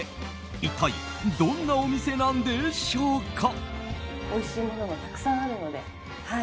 一体、どんなお店なんでしょうか。